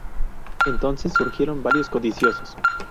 Entonces surgieron varios codiciosos.